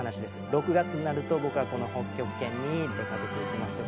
６月になると僕はこの北極圏に出かけていきます。